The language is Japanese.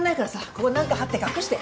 ここに何か貼って隠して。